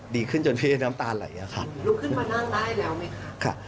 ดีขึ้นจนพี่เอ๋น้ำตาไหลค่ะ